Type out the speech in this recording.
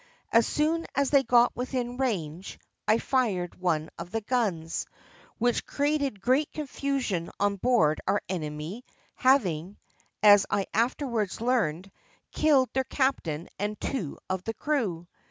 As soon as they got within range, I fired one of the guns, which created great confusion on board our enemy, having, as I afterwards learned, killed their captain and two of the crew.